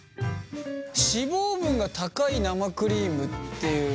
脂肪分が高い生クリームっていうのが？